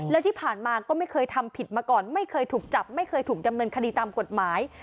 และที่ผ่านมาก็ไม่เคยทำผิดมาก่อนไม่เคยถูกจับไม่เคยถูกดำเนินคดีตามกฎหมาย